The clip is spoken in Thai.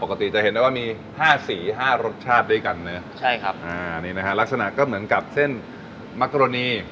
จะเห็นได้ว่ามี๕สี๕รสชาติด้วยกันนะใช่ครับอ่านี่นะฮะลักษณะก็เหมือนกับเส้นมัธรณี